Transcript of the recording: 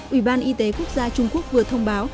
ủy ban y tế quốc gia trung quốc vừa thông báo